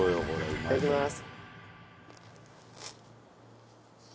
いただきます。